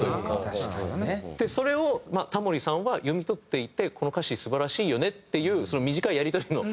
確かにね。それをタモリさんは読み取っていてこの歌詞素晴らしいよねっていう短いやり取りの中で。